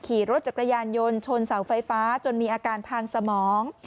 ขี่รถจักรยานยนต์ชนเสาไฟฟ้าจนมีอาการทางสมอง